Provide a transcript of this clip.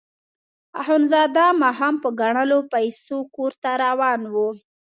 اخندزاده ماښام په ګڼلو پیسو کور ته روان وو.